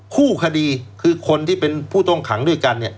คู่คดีคือคนที่เป็นผู้ต้องขังด้วยกันเนี่ย